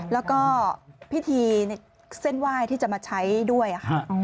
แล้วก็พิธีเส้นไหว้ที่จะมาใช้ด้วยค่ะ